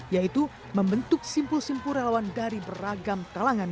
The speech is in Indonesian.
yaitu membentuk simpul simpul relawan dari beragam kalangan